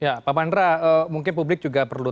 ya pak pandra mungkin publik juga perlu